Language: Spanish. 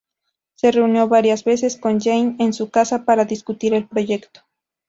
Se reunió varias veces con Jane en su casa para discutir el proyecto.